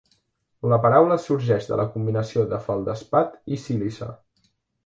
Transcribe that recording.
La paraula sorgeix de la combinació de feldespat i sílice.